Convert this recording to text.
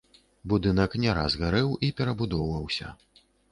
Будынак не раз гарэў і перабудоўваўся.